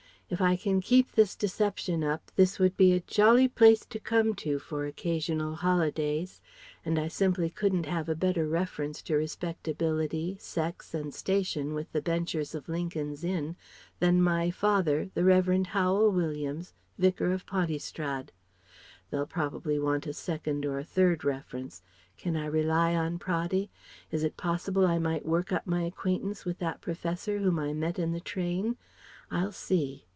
If I can keep this deception up this would be a jolly place to come to for occasional holidays, and I simply couldn't have a better reference to respectability, sex and station with the benchers of Lincoln's Inn than 'my father,' the Revd. Howel Williams, Vicar of Pontystrad. They'll probably want a second or a third reference. Can I rely on Praddy? Is it possible I might work up my acquaintance with that professor whom I met in the train? I'll see.